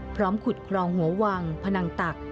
พร้อมขุดคลองหัววังพนังตัก